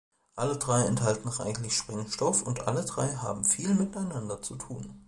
Alle drei enthalten reichlich Sprengstoff und alle drei haben viel miteinander zu tun.